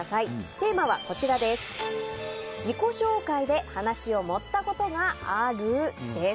テーマは、自己紹介で話を盛ったことがあるです。